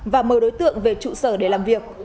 và mời đối tượng về trụ sở để làm việc